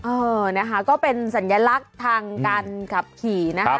เออนะคะก็เป็นสัญลักษณ์ทางการขับขี่นะคะ